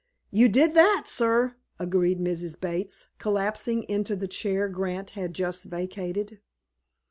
"You did that, sir," agreed Mrs. Bates, collapsing into the chair Grant had just vacated.